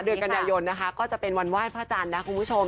เดือนกันยายนนะคะก็จะเป็นวันไหว้พระจันทร์นะคุณผู้ชม